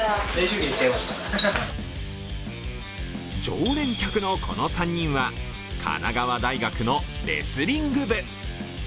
常連客のこの３人は神奈川大学のレスリング部。